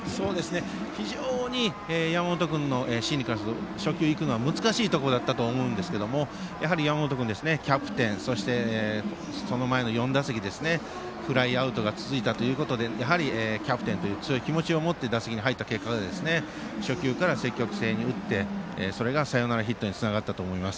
非常に山本君の心理からすると、初球いくのは難しいところだったと思うんですけれどもやはり山本君、キャプテンそしてその前の打席でフライアウトが続いたということでキャプテンという強い気持ちを持って打席に入りまして初球から積極的に打ってそれがサヨナラヒットにつながったと思います。